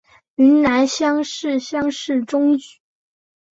云南乡试乡试中举。